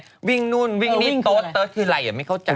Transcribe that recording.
พูดกันอย่างนี้วิ่งนู่นวิ่งนิดโต๊ะเติ๊ดทีไรไม่เข้าใจ